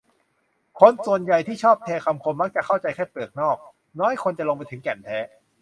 คนส่วนใหญ่ที่ชอบแชร์คำคมมักเข้าใจแค่เปลือกนอก น้อยคนจะลงไปถึงแก่นแท้